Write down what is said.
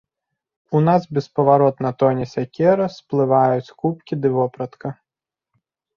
У нас беспаваротна тоне сякера, сплываюць кубкі ды вопратка.